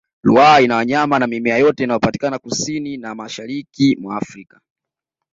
ruaha ina wanyama na mimea yote inayopatikana kusini na mashariki mwa afrika